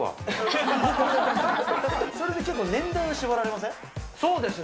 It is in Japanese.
それで結構年代は絞られませそうですね。